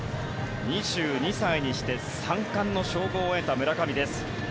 ２２歳にして三冠の称号を得た村上です。